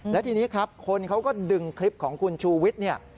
และทีนี้ครับคนเขาก็ดึงคลิปของคุณชูวิทย์เนี่ย